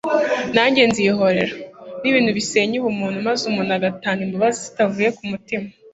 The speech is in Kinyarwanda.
nanjye nzihorera, ni ibintu bisenya ubumuntu, maze umuntu agatanga imbabazi zitavuye ku mutima